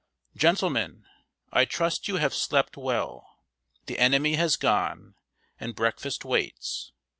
] "Gentlemen, I trust you have slept well. The enemy has gone, and breakfast waits.